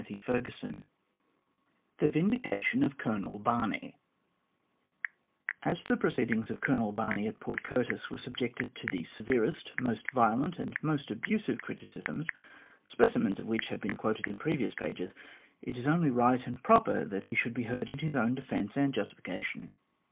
CHAPTER VI THE VINDICATION OF COLONEL BARNEY As the proceedings of Colonel Barney at Port Curtis were subjected to the severest, most violent, and most abusive criticisms, specimens of which have been quoted in previous pages, it is only right and proper that he should be heard in liis own defence and justification.